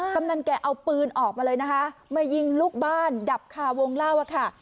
กำนันแกเอาปืนออกมาเลยนะคะมายิงลูกบ้านดับคาวงเล่าอะค่ะ